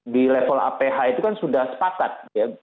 di level aph itu kan sudah sepakat ya